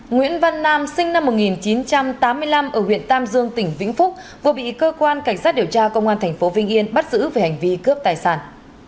nguyễn văn nam sinh năm một nghìn chín trăm tám mươi năm ở huyện tam dương tỉnh vĩnh phúc vừa bị cơ quan cảnh sát điều tra công an tp vinh yên bắt giữ về hành vi cướp tài sản